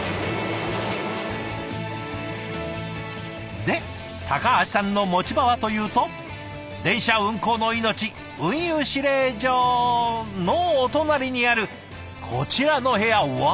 で橋さんの持ち場はというと電車運行の命運輸指令所のお隣にあるこちらの部屋うわ！